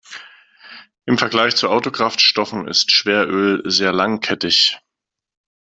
Im Vergleich zu Autokraftstoffen ist Schweröl sehr langkettig.